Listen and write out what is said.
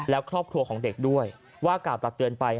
และครอบครัวของเด็กด้วยว่ากล่าวตักเตือนไป